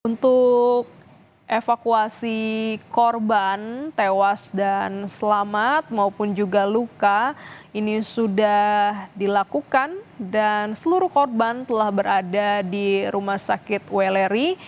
untuk evakuasi korban tewas dan selamat maupun juga luka ini sudah dilakukan dan seluruh korban telah berada di rumah sakit weleri